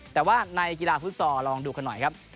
แต่ว่าในกีฬาฟุตซอลลองดูกันหน่อยครับ